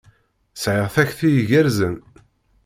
Sɛiɣ takti igerrzen.